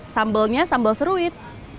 sambalnya sambal seruit